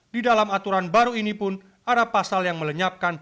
di dalam aturan baru ini pun ada pasal yang melenyapkan